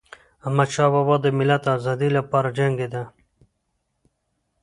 احمدشاه بابا د ملت د ازادی لپاره جنګيده.